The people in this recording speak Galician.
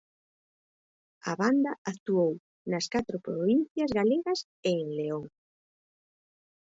A banda actuou nas catro provincias galegas e en León.